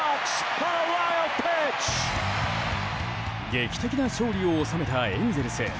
劇的な勝利を収めたエンゼルス。